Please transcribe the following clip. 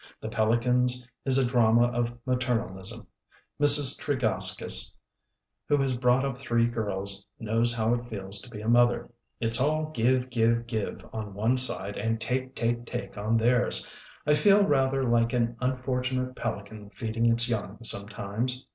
The Pelicans is a drama of maternalism. Mrs. Tregaskis, who has brought up three girls, knows how it feels to be a mother. "It's all give, give, give on one side, and take, take, take on theirs. I feel rather like an un fortunate pelican feeding its young, sometimes."